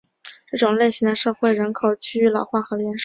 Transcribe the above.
这种类型的社会人口趋于老化和减少。